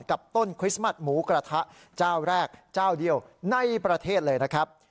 กับต้นคริสต์มัสหมูกระทะเจ้าแรกเจ้าเดียวในประเทศเลยนะครับ